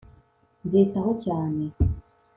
nzitaho cyane